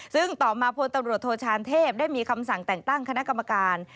ซึ่งต่อมาพลตำรวจโทชานเทพได้มีคำสั่งแต่งตั้งคณะกรรมการ